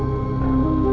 tidak ada yang tahu